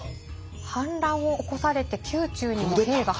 反乱を起こされて宮中にも兵が。